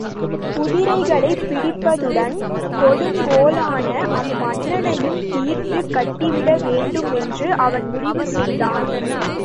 குதிரைகளைப் பிடிப்பதுடன், கொடுங்கோலனான அம்மன்னனையும் தீர்த்துக் கட்டிவிட வேண்டு மென்று அவன் முடிவு செய்தான்.